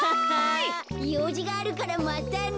ようじがあるからまたね。